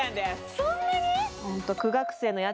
そんなに？